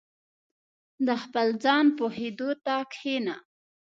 • د خپل ځان پوهېدو ته کښېنه.